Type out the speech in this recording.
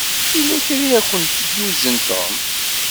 Yella kra i akent-id-yuzen Tom.